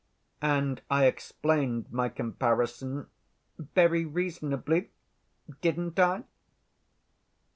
And I explained my comparison very reasonably, didn't I?